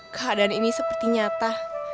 keadaan ini seperti nyata